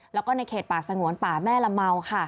และในเขตป่าสงวนป่าแม่ละเมา